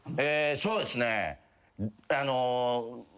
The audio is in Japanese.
そうですね。